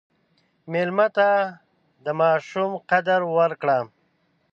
مېلمه ته د ماشوم قدر ورکړه.